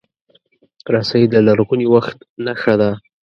رسۍ د لرغوني وخت نښه ده.